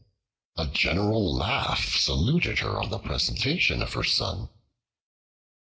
A general laugh saluted her on the presentation of her son.